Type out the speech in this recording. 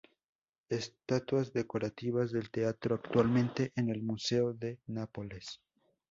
Estatuas decorativas del teatro, actualmente en el Museo de Nápoles.